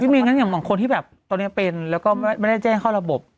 มีงั้นอย่างบางคนที่แบบตอนนี้เป็นแล้วก็ไม่ได้แจ้งข้อระบบ